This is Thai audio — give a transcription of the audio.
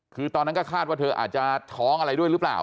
คือตอนนั้นก็คาดว่าเธออาจจะท้องอะไรด้วยหรือเปล่า